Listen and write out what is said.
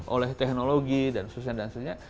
oleh teknologi dan sebagainya